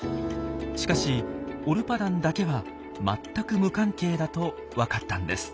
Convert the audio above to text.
しかしオルパダンだけは全く無関係だとわかったんです。